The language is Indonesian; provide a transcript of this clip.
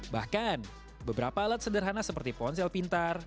bahkan beberapa alat sederhana seperti ponsel pintar